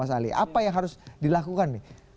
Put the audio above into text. apa yang harus dilakukan